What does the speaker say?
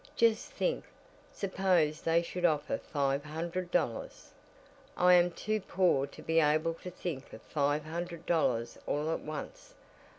Just think! Suppose they should offer five hundred dollars!" "I am too poor to be able to think of five hundred dollars all at once.